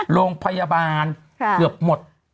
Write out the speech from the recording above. โรงพยาบาลเกือบหมด